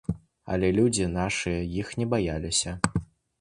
Але людзі нашыя іх не баяліся.